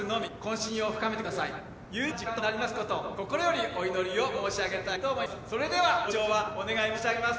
有意義な時間となりますことを心よりお祈りを申し上げたいと思います。